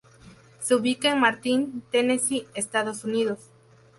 Se ubica en Martin, Tennessee, Estados Unidos.